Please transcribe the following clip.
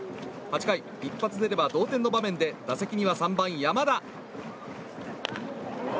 ８回、一発出れば同点の場面で打席には３番、山田。